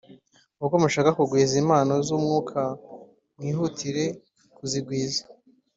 Ubwo mushaka kugwiza impano z’umwuka mwihutire kuzigwiza